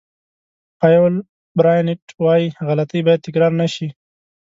پایول براینټ وایي غلطۍ باید تکرار نه شي.